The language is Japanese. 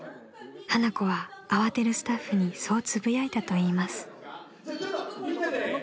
［花子は慌てるスタッフにそうつぶやいたといいます］